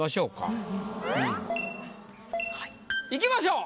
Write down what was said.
うん。いきましょう。